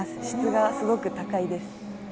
質がすごく高いです。